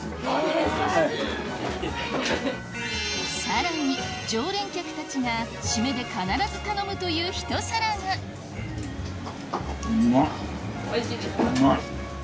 さらに常連客たちが締めで必ず頼むというひと皿が・おいしいですか？